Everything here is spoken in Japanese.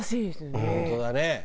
本当だね。